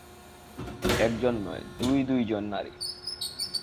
একজন নয়, দুই-দুইজন নারী।